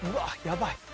やばい。